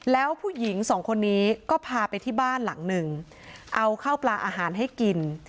แล้วผู้หญิงสองคนนี้ก็พาไปที่บ้านหลังหนึ่งเอาข้าวปลาอาหารให้กิน